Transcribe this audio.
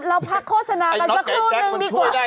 เราพักโฆษณากันสักครู่หนึ่งตอนนี้